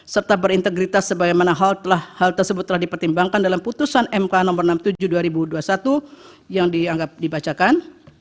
serta berintegritas sebagaimana hal tersebut telah dipertimbangkan dalam putusan mk no enam puluh tujuh dua ribu dua puluh satu yang dianggap dibacakan